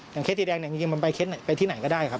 อย่างเคสสีแดงเนี่ยมันไปที่ไหนก็ได้ครับ